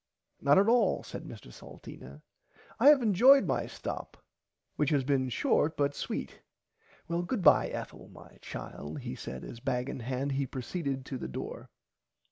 Not at all said Mr Salteena I have enjoyed my stop which has been short and sweet well goodbye Ethel my child he said as bag in hand he proceeded to the door.